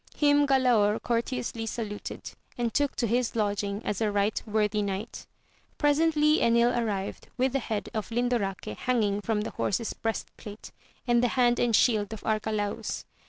Him Galaor courteously saluted, and took to his lodging as a right worthy knight. Presently Enil arrived with the head of Lindoraque hanging from the horse's breast plate, and the hand and shield of Arcalaus.